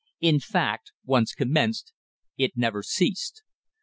In fact, once commenced, it never ceased.